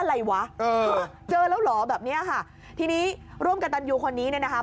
อะไรวะเออเจอแล้วเหรอแบบเนี้ยค่ะทีนี้ร่วมกับตันยูคนนี้เนี่ยนะคะ